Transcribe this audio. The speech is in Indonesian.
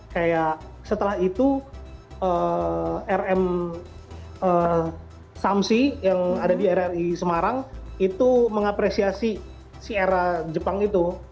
kayak setelah itu rm samsi yang ada di rri semarang itu mengapresiasi si era jepang itu